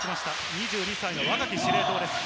２２歳の若き司令塔です。